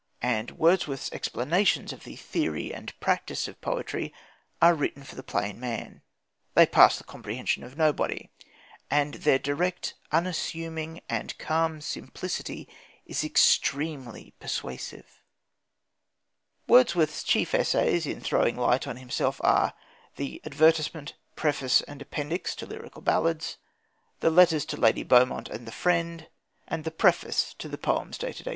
And Wordsworth's explanations of the theory and practice of poetry are written for the plain man. They pass the comprehension of nobody, and their direct, unassuming, and calm simplicity is extremely persuasive. Wordsworth's chief essays in throwing light on himself are the "Advertisement," "Preface," and "Appendix" to Lyrical Ballads; the letters to Lady Beaumont and "the Friend" and the "Preface" to the Poems dated 1815.